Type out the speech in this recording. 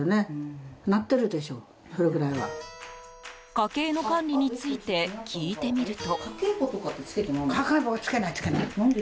家計の管理について聞いてみると。